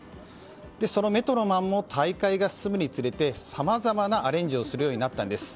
そのメトロマンも大会が進むにつれてさまざまなアレンジをするようになったんです。